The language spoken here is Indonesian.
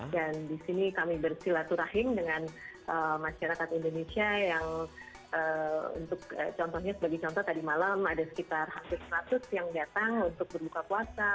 dan di sini kami bersilaturahim dengan masyarakat indonesia yang untuk contohnya tadi malam ada sekitar hampir seratus yang datang untuk berbuka puasa